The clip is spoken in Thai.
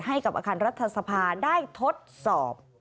ให้กับอาคารรัฐสภาได้ทดสอบ